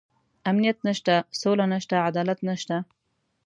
امنيت نشته، سوله نشته، عدالت نشته.